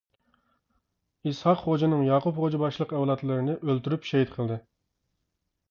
ئىسھاق خوجىنىڭ ياقۇپ خوجا باشلىق ئەۋلادلىرىنى ئۆلتۈرۈپ شېھىت قىلدى.